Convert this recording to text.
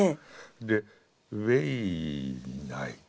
で「ウエインナイ」。